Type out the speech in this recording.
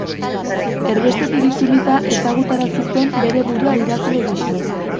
Erbestetik itzulita ezagutarazi zuen bere burua idazle gisa.